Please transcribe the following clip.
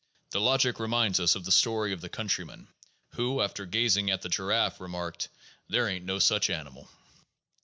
The logic reminds us of the story of the countryman who, after gazing at the giraffe, remarked, "There ain't no such animal."